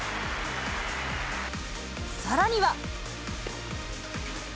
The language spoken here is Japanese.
さらには。